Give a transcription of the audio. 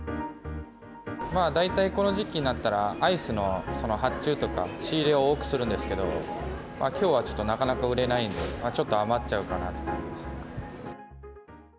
大体この時期になったら、アイスの発注とか、仕入れを多くするんですけど、きょうはちょっとなかなか売れないんで、ちょっと余っちゃうかなと思います。